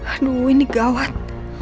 aduh ini gawat